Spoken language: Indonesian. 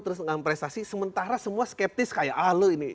tidak prestasi sementara semua skeptis kayak ah lo ini